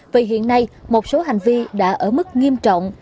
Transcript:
vì hiện nay một số hành vi đã ở mức nghiêm trọng